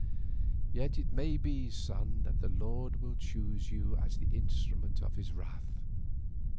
Yet it may be, son, that the Lord will choose you as the instrument of his wrath.